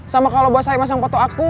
sama kalau buat saya masang foto aku